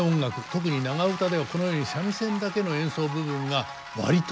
特に長唄ではこのように三味線だけの演奏部分が割とありましてですね